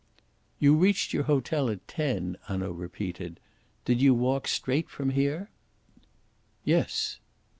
"You reached your hotel at ten," Hanaud repeated. "Did you walk straight from here?" "Yes."